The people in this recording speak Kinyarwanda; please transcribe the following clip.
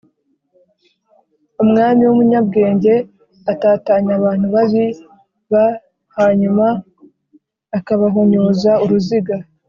Umwami w umunyabwenge atatanya abantu babi b hanyuma akabahonyoza uruziga